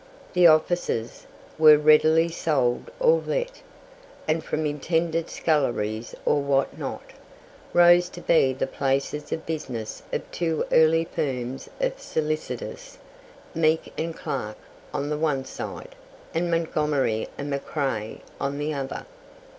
The "offices" were readily sold or let, and from intended sculleries or what not, rose to be the places of business of two early firms of solicitors Meek and Clarke on the one side, and Montgomery and McCrae on the other.